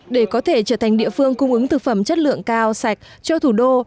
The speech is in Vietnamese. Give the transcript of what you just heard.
để có thể trở thành địa phương cung ứng thực phẩm chất lượng cao sạch cho thủ đô